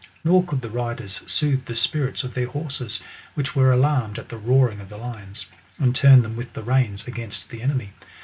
Nor could the riders soothe the spirits of their horses, which were alarmed at the roaring of the lions, and turn them with the reins against the enemy.